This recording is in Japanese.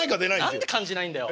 何で感じないんだよ！